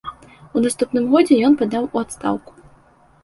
У наступным годзе ён падаў у адстаўку.